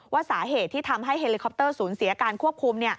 สาเหตุที่ทำให้เฮลิคอปเตอร์สูญเสียการควบคุม